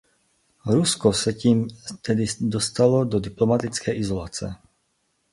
Rusko se tím tedy dostalo z diplomatické izolace.